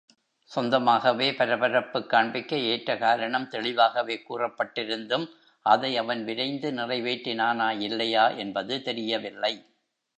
சொந்தமாகவே பரபரப்புக் காண்பிக்க ஏற்ற காரணம் தெளிவாகவே கூறப்பட்டிருந்தும் அதை அவன் விரைந்து நிறைவேற்றினானா இல்லையா என்பது தெரியவில்லை.